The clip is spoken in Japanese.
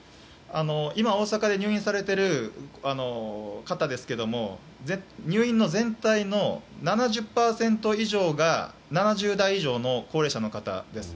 今、大阪で入院されている方ですけども入院の全体の７０％以上が７０代以上の高齢者の方です。